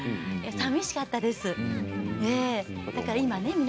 さみしかったです。